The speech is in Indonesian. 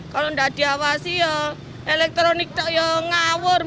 kalau tidak diawasi elektronik tidak mengawasi